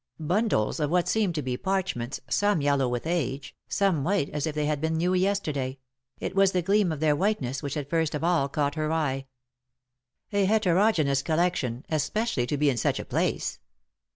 Bundles of what seemed to be parchments, some yellow with age, some white as if they had been new yesterday — it was the gleam of their white ness which had first of all caught her eye. A heterogeneous collection, especially to be in such a place.